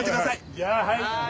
じゃあはい。